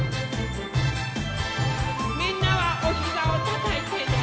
みんなはおひざをたたいてね！